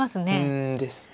うんですね。